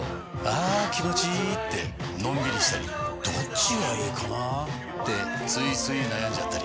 あ気持ちいいってのんびりしたりどっちがいいかなってついつい悩んじゃったり。